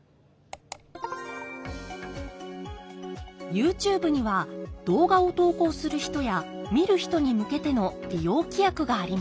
ＹｏｕＴｕｂｅには動画を投稿する人や見る人に向けての利用規約があります。